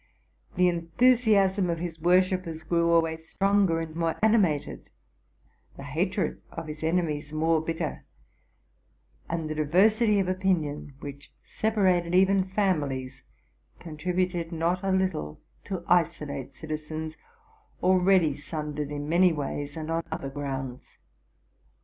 The enthusiasm of his wor shippers grew always stronger and more animated; the hatred of his enemies more bitter; and the diversity of opinion, which separated even families, contributed not a little to isolate citizens, already sundered in many ways and on other grounds.